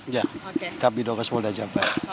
ya kabit dokes polda jabar